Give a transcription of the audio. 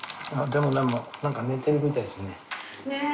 でもなんか寝てるみたいですね。